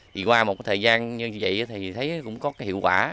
thì qua một thời gian như vậy thì thấy cũng có cái hiệu quả